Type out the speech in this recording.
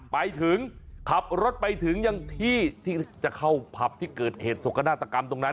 ไปถึงขับรถไปถึงยังที่ที่จะเข้าผับที่เกิดเหตุสกนาฏกรรมตรงนั้น